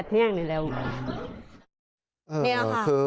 เมื่อ